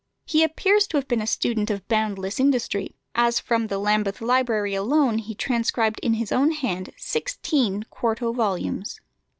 He appears to have been a student of boundless industry, as from the Lambeth Library alone he transcribed with his own hand sixteen quarto volumes.